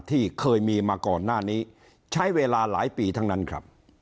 ที่เคยมีมาก่อนหน้านี้ใช้เวลาหลายปีทั้งนั้นครับ